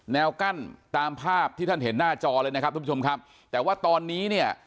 กั้นตามภาพที่ท่านเห็นหน้าจอเลยนะครับทุกผู้ชมครับแต่ว่าตอนนี้เนี่ย